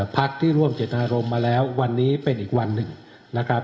พักที่ร่วมเจตนารมณ์มาแล้ววันนี้เป็นอีกวันหนึ่งนะครับ